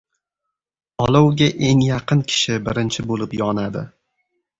• Olovga eng yaqin kishi birinchi bo‘lib yonadi.